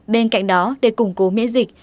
bên cạnh đó để củng cố miễn dịch